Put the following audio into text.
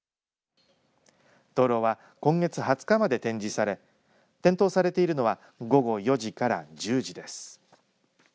灯籠は今月２０日まで展示され点灯されているのは午後４時から１０時です。